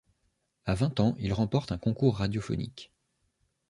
À vingt ans il remporte un concours radiophonique.